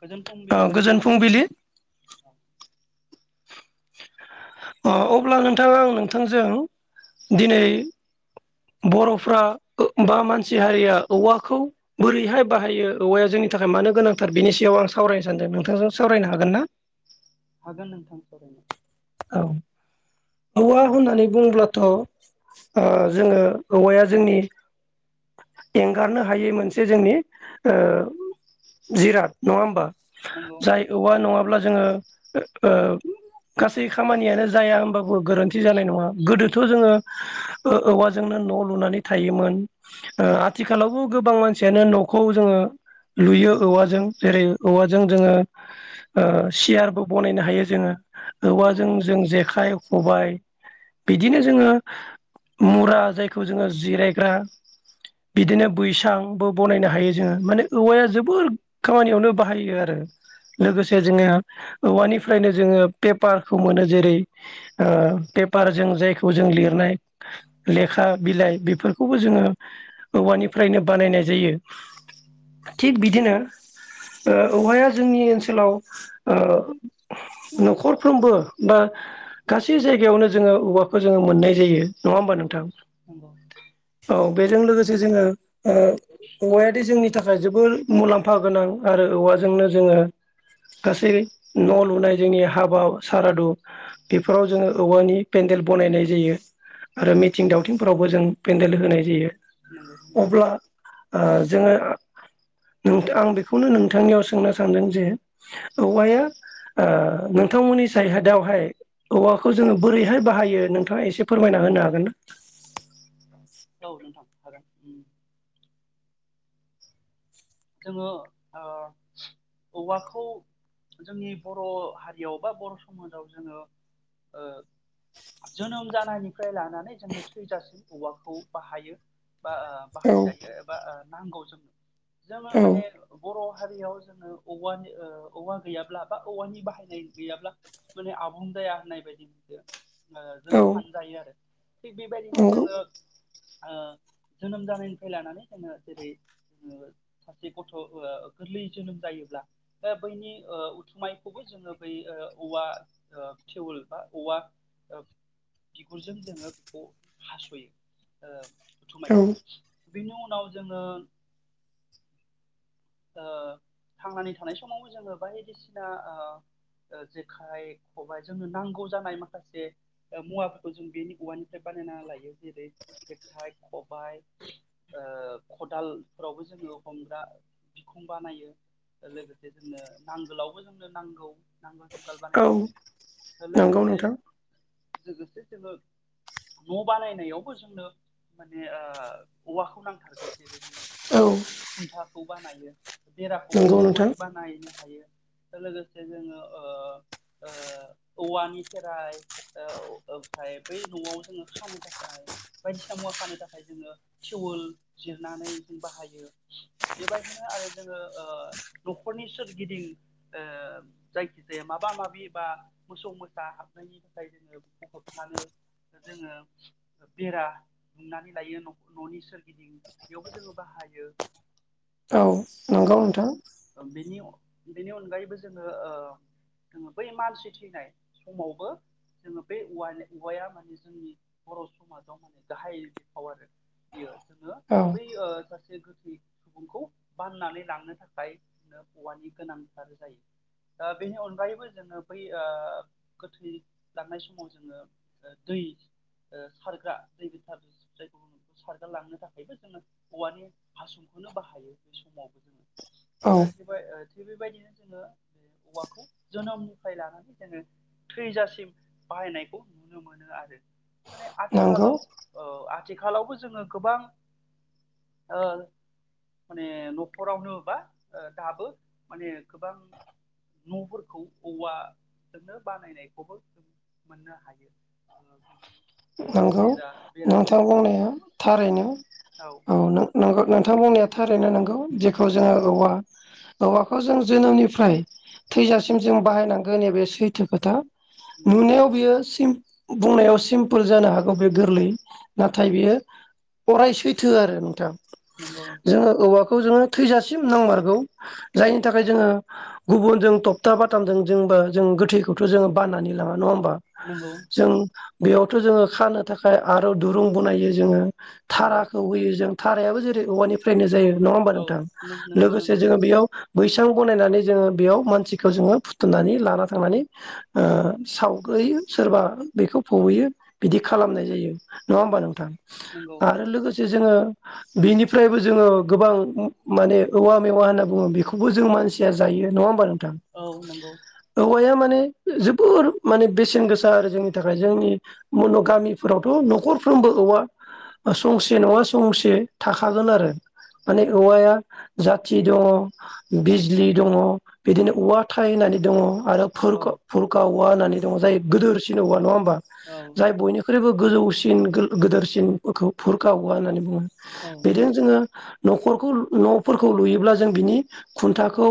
गोजोन ओ फुंबिलि नोंथां गोजोन फुंबिलि ओ अब्ला नोंथां आं नोंथांजों दिनै बर'फ्रा बा मानसि हारिया औवाखौ बोरैहाय बाहायो औवाया जोंनि थाखाय मानो गोनांथार बेनि सायाव आं सावरायनो सानदों नोंथांजों सावरायनो हागोन ना हागोन नोंथां सावरायनो औ औवा होननानै बुंङोब्लाथ' ओ जोङो औवाया जोंनि एंगारनो हायै मोनसे जोंनि ओ जिराद नङा होमबा नंगौ जाय औवा नङाब्ला जोङो ओ गासै खामानियानो जाया होनबाबो गोरोन्थि जानाय नङा गोदोथ' जोङो औवाजोंनो न' लुनानै थायोमोन आथिखालावबो गोबां मानसियानो नखौ जोङो लुयो औवाजों जेरै औवाजों जोङो सियारबो बनायनो हायो। जोङो नंगौ औवाजों जों जेखाइ खबाय बिदिनो जोङो मुरा जायखौ जोङो जिरायग्रा बिदिनो बैसांबो बनायनो हायो जोङो माने औवाया जोबोर खामानियावनो बाहायो आरो लोगोसे जोङो औवानिफ्रायनो जोङो पेपारखौ मोनो जेरै ओ पेपारजों जायखौ जों लिरनाय लेखा बिलाइ बेफोरखौबो जोङो औवानिफ्रायनो बानायनाय जायो। थिग बिदिनो औवाया जोंनि ओनसोलाव ओ नखरफ्रोमबो बा गासै जायगायावनो जोङो औवाखौ जोङो मोननाय जायो नङा होमबा नोंथां? नंगौ। औ बेजों लोगोसे जोङो ओ औवायादि जोंनि थाखाय जोबोर मुलाम्फा गोनां आरो औवाजोंनो जोङो गासै न' लुनाय जोंनि हाबा सारादु बेफोराव जोङो औवानि पेन्देल बनायनाय जायो आरो मिथिं दावथिंफोरावबो जों पेन्देल होनाय जायो। नंगौ अब्ला ओ जोङो नोंथां आं बेखौनो नोंथांनियाव सोंनो सानदों जे औवाया ऐ नोंथांमोननि जायहादावहाय औवाखौ जोङो बोरैहाय बाहायो नोंथाङा एसे फोरमायना होनो हागोन ना? गाव थांखागोन। जोङो ओ औवाखौ जोंनि बर' हारियाव बा बर' समाजाव जोङो ओ जोनोम जानायनिफ्राय लानानै जोङो थैजासिम औवाखौ बाहायो। बा औ बाहायजायो एबा ओ नांगौ जोंनो जोङो औ माने बर' हारियाव जोङो औवानि ओ औवा गैयाब्ला बा औवानि बाहायनाय गैयाब्ला माने आबुं जाया होननाय बायदि मोनदों। ओ जों सानजायो आरो। थिग बेबायदिनो नंगौ जोङो ओ जोनोम जानायनिफ्राय लानानै जोङो जेरै ओ। सासे गथ' ओ गोरलै जोनोम जायोब्ला बैनि ओ उथुमायखौबो जोङो बै औवा फेवल बा औवा बिगुरजों जोङो बेखौ हास'यो ओ। औ। थुमायखौ बेनि उनाव जोङो ओ थांनानै थानाय समावबो जोङो बायदिसिना ओ जेखाइ खबाय जोंनो नांगौ जानाय माखासे मुवाफोरखौ जों बेनि औवानिफ्राय बानायना लायो जेरै जेखाइ खबाय ओ खदालफोरावबो जोङो हमग्रा बिखुं बानायो लोगोसे जोंनो नांगोलावबो जोंनो नांगौ नांग गोल औ बानायनाय नंगौ लोगोसे नोंथां लोगोसे जोङो न' बानायनायावबो जोंनो माने ओ औवाखौ नांथारगौ जेरै औ खुन्था। खौ बानायो। बेराखौबो नंगौ जोंङो नोंथां औवानि बानायनो हायो। लोगोसे जोङो ओ- ओ -औवानिफ्राय ओमफ्राय बै न'आव जोङो खानो थाखाय बायदिसिना मुवा खानो थाखाय जोङो थटिवल जिरनानै जों बाहायो बेबायदिनो आरो जोङो ओ न'खरनि सोरगिदिं ओ जायखिजाया माबा माबि बा मोसौ मोसा हाबनायनि थाखाय जोङो बेखौ होबथानो जोङो बेरा दुमनानै लायो न'नि सोरगिदिं बेयावबो जोङो बाहायो। औ नंगौ नोंथां। बेनि बेनि अनगायैबो जोङो ओ जोङो बै मानसि थैनाय समावबो जोङो बे वानि औवाया माने जोंनि बर' समाजाव माने गाहाय बिफाव आरो बेयो। जोङो औ बै ओ सासे गोथै सुबुंखौ बाननानै लांनो थाखाय औवानि गोनांथार जायो बेनि अनगायैबो जोङो बै ओ गोथै लांनाय समाव जोङो दै ओ सारग्रा दै गोथार जग सारग्रा लांनो थाखायबो जोङो औवानि हासुंखौनो बाहायो बे समाव। औ गथिबाय ओ थिग बेबायदिनो जोङो बे औवाखौ जोनोमनिफ्राय लानानै जोङो थैजासिम बाहायनायखौ नुनो मोनो आरो। माने नंगौ आथिखालाव ओ आ आथिखालावबो जोङो गोबां ओ माने न खरावनो बा दाबो माने गोबां न'फोरखौ औवाजोंनो बानायनायखौबो जों मोननो हायो। औवानि नंगौ बेरा नोंथां बेराजोंबो बुंनाया थारैनो नंगौ औ नोंथां बुंनाया थारैनो नौ। जेखौ जोंङो औवा औवाखौ जों जोनोमनिफ्राय थैजासिम जों बाहायनांगोन नैबे सैथो खोथा। नुनायाव बेयो। म बुंनायाव सिम। बुल जानो हागौ बे गोरलै नाथाय बेयो अराय सैथो आरो नोंथां नंगौ जोंङो औवा खौ जोंङो थैजासिम नांमारगौ जायनि थाखाय जोंङो गुबुनजों थपथा बाथामजों जों बा जों गोथैखौथ जोंङो बाननानै लांङा नङा होम नंगौ जों बेयाव थ जोंङो खानो थाखाय आरो दुरुं बनायो जोंङो नंगौ धाराखौ होयो जों थारायाबो जेरै औवानि फ्रायनो जायो नंङा होमबा नंगौ औ नोंथां नंगौ लोगोसे नंगौ जोंङो बेयाव बैसां बनायनानै जोंङो बेयाव मानसिखौ जोंङो फुथुनानै लाना थांनानै ओ सावग्रोयो सोरबा बेखौ फबैयो बिदि औ खालामनाय जायो नंङा होमबा नोंथां नंगौ आरो लोगोस जोंङो बेनिफ्रायबो जोंङो गोबां म माने औवा मेवा होनना बुंङो बेखौबो जों मानसिया जायो नंङा होमबा औ नोंथां औ नंगौ औवाया मा बे जोबोर माने बेसेन गोसा आरो जोंनि थाखाय जोंनि मन गामिफोरावथ नखरफ्रोमबो औवा संसे नंङा संसे थाखागोन आरो औ माने औवाया जाथि दंङ बिज्लि दंङ औ बिदिनो औवा थायोनानै दंङ आरो फुरखा औ बुरखां औवा होननानै दंङ जाय औ गोदोरसिन औवा नंङा होमबा औ बेख्रुइबो गोजौसिन गोदोरसिनफोरखौ फुरखा औवा होननानै बुंङो औ बेदों जोंङो नखरखौ नफोरखौ लुयोब्ला जों बिनि खुन्थाखौ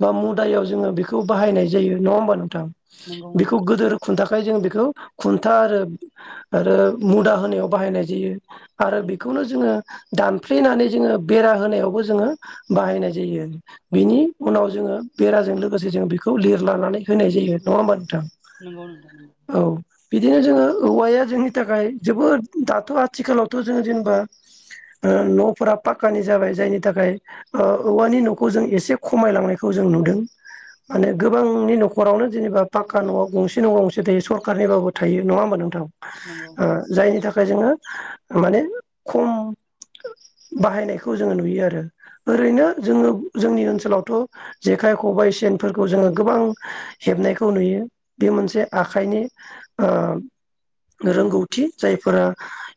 बा मुदायाव जोंङो बेखौ बाहायनाय जायो नंङा होमबा नोंथां नंगौ बेखौ नोंथां गोदोर खुथा खाय जों बेखौ खुन्था आरो आरो मुदा होनायाव बाहायनाय जायो आरो बेखौनो जोंङो दानफ्लेनानै जोंङो बेरा होनायावबो जोंङो बाहायनाय जायो बेनि उनाव जोंङो बेराजों लोगोसे जों बेखौ लिरलानानै होनाय जायो नंङा होमबा नोंथां नोंगौ नोंथां नोंगौ औ बिदिनो जोंङो औवाया जोंनि थाखाय जोबोद दाथ आथिखालावथ जोंङो जेनेबा ओ नफोरा पाक्कानि जाबाय जायनि थाखाय ओ औवानि नखौ जों एसे खमायलांनायखौ जों नुदों माने गोबांनि नखरावनो जेनेबा पाक्क नआव गंसे नङा गंसे थायो सरखारनिबाबो थायो नङा होमबा नों ओ नंगौ जायनि थाख फ्राय जोङो माने ख'म बाहायनायखौ जोङो नुयो आरो ओरैनो जोङो जोंनि ओनसोलावथ जेखाइ खबाइ सेनफोरखौ जोङो गोबां हेबनायखौ नुयो बे मोनसे आखाइनि ओ रोंगौ थि औ जायफोरा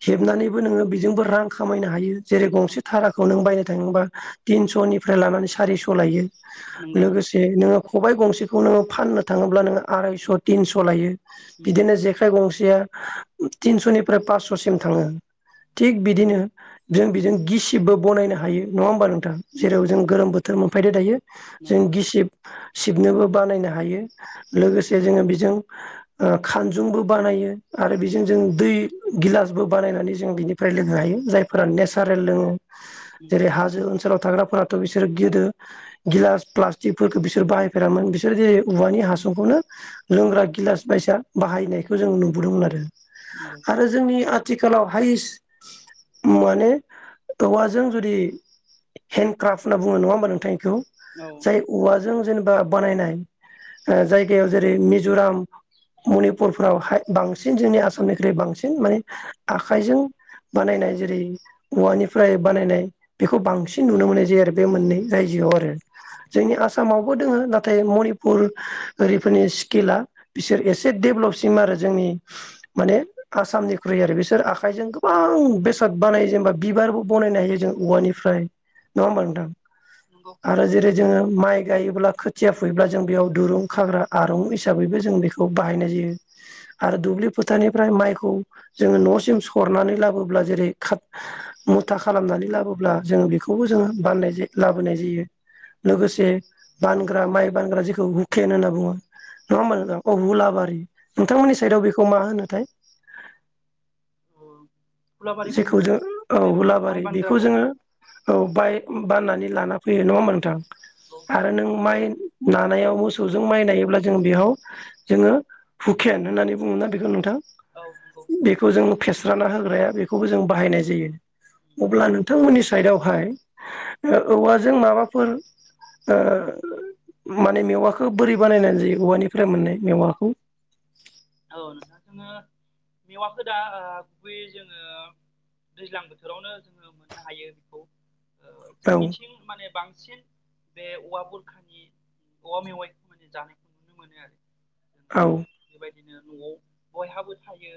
हेबनानै बो नोङो बेजोंबो रां खामायनो हायो जेरै औ गंसे धाराखौ नों बायनो थाङोबा तिनस'निफ्राय लानानै सारिस' लायो। नंगौ लोगोसे नोङो खबाइ गंसेखौ नोङो फाननो थाङोब्ला नोङो आरायस' थिनस' लायो। उम बिदिनो जेखाइ गंसे सेया तिनस'निफ्राय पासस'सिम थाङो थिग बिदिनो जों बिजों गिसिबबो बनायनो हायो। नङा होमबा नों थां नों जेराव जों नंगौ गोलोम बोथोर मोनफैदो दायो जों नंगौ गिसिब सिबनोबो बानायनो हायो लोगोसे जोङो बेजों ओ खानजुंबो बानायो आरो उम बेजों जों दै गिलासबो बानायनानै जों बिनिफ्राय लोंनो हायो जायफोरा नेसारेल लोङो। नंगौ जेरै हाजो ओनसोलाव थाग्राफोराथ' बिसोर गोदो गिलास प्लास्टिकफोरखौ बिसोर बाहायफेरामोन बिसोर जेरै औवानि हासुंखौनो लोंग्रा गिलास बायसा बाहायनायखौ जों नु बोदोंमोन आरो। नंगौ आरो जोंनि ओ थिखालाव हायेस्ट माने औवाजों जुदि हेन्दडक्राफ्ट होनना बुङो नङा होमबा नोंथां बेखौ? औ जाय उवा जों जेनेबा बानायनाय ओ जायगायाव जेरै मिज'राम मनिपुरफ्राव हाय बांसिन जोंनि आसामनिख्रुइ बांसिन माने आखाइजों बानायनाय जेरै औवानिफ्राय बानायनाय बेखौ बांसिन नुनो मोननाय जायो आरो बे मोननै रायजोआव आरो। जोंनि आसामावबो दोङो नाथाय मनिपुर ओरिफोरनि स्किला बिसोर एसे देभलपसिम आरो जोंनि माने आसामनिख्रुइ आरो बिसोर आखाइजों गोबां बेसाद बानाय जेनेबा बिबारबो बानायनो हायो जों औवानिफ्राय नङा होमबा नोंथां? नंगौ आरो जेरै जोङो माइ गायोब्ला खोथिया फुैयोब्ला जों बेयाव दुरुं खाग्रा आरं हिसाबैबो जों बेखौ बाहायनाय जायो। आरो दुब्लि फोथारनिफ्राय माइखौ जोङो न'सिम सरनानै लाबोब्ला जेरै खा मुथा खालामनानै लाबोब्ला जोङो बेखौबो जोङो बनाय लाबोनाय जायो लोगोसे बानग्रा माइ बानग्रा जेखौ हुकेन होनना बुङो नङा होमबा नोंथां? अ हुलाबारि नंगौ नोंथांमोननि साइदाव बेखौ मा होनोथाय? औ हुलाबारिखौनो जेखौ होनो जों नोंथां औ बे माइ माइ हुलाबारि बेखौ बानग्राखौ जोङो औ बाय बाननानै लाना फै फैयो नङा होमबा नोंथां? नंगौ आरो नों माइ नानायाव मोसौजों माइ नायोब्ला जों बेयाव जोङो हुकेन होननानै बुङो ना बेखौ नोंथां? औ नंगौ बेखौ जों फेनस्राना होग्राया बेखौ खौबो जों बाहायनाय उम जायो उम अब्ला नोंथांमोननि साइदआवहाय औवाजों माबाफोर ओ माने मेवाखौ बोरै बानायनानै जायो औवानिफ्राय मोननाय मेवाखौ? औ नोंथा जोङो मेवाखौदा ओ गुबैयै जोङो दैज्लां बोथोरावनो जोङो मोननो हायो बेखौ। ओ औ जोंनिथिं माने बांसिन बे औवा बुरखानि औवा मेवाइनि जानायखौ नुनो मोनो आरो। औ दिनो न'आव बयहाबो थायो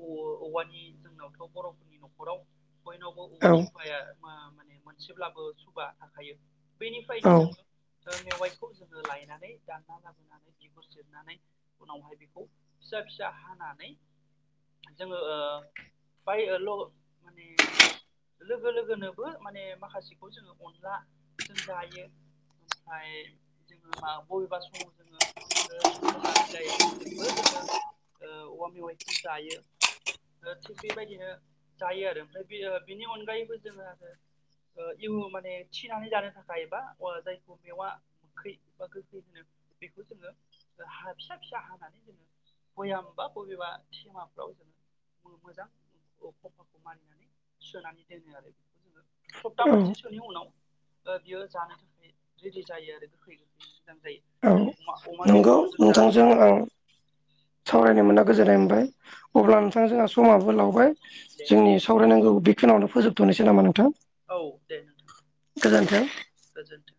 ओ औवानि जोंनावथ' बर'फोरनि न'खराव बयनावबो औवा औ सुबाया [unintelligible] बे मोनसेब्लाबो सुबा थाखायो। बेनिफायनो औ जोङो ओ मेवाइखौ जों लायनानै दानना लाबोनानै बिगुर सेरनानै उनावहाय बेखौ फिसा-फिसा हानानै जोङो ओ बाय ल' माने लोगो-लोगोनोबो माने माखासेखौ जोङो अनलाजों जायो ओमफाय जोङो मा बबेबा समाव जोङो सजना बिलाइजोंबो जोङो ओ औवा मेवाइखौ जायो। ओ थिग बेबायदिनो जायो आरो। ओमफ्राय बे ओ बिनि अनगायैबो जोङो ओ इउन माने थिनानै जानो थाखाय बा जायखौ मेवा खै बा गोखै होनो बेखौ जोङो हा फिसा फिसा हानानै जोङो बयामबा बबेबा थेमाफ्राव जोङो मोजां खफाखौ मारिनानै सोनानै दोनो आरो। सप्ता औ मोनसेसोनि उनाव बियो जानो थाखाय रेडि जायो आरो गोखै मोजां जायो जों अमा-अमा बेदरखौ जों जानो जों मोजां आं औ सावरायनो मोनना गोजोननाय मोनबाय नंगौ अब्ला नोंथां नोंथांजोंहा समाबो लाव बाय दे जोंनि सावरायनांगौ खिनायावनो फोजोबथ'निसै नामा नोंथां? औ दे नोंथां गोजोन्थों। गोजोनथों।